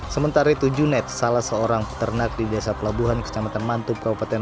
sementara itu junet salah seorang peternak di desa pelabuhan kecamatan mantub kabupaten